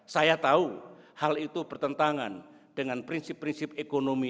saya tahu hal itu bertentangan dengan prinsip prinsip ekonomi